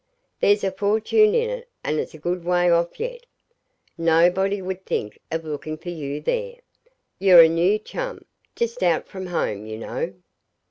There's a fortune in it, and it's a good way off yet. Nobody would think of looking for you there. You're a new chum, just out from home, you know.